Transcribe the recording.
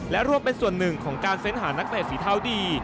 และรวมเป็นส่วนหนึ่งของการเฟ้นหานักเตะฝีเท้าดี